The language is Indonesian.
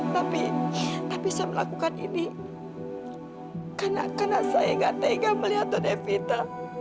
tapi tapi saya melakukan ini karena saya nggak tega melihat devita